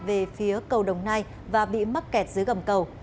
về phía cầu đồng nai và bị mắc kẹt dưới gầm cầu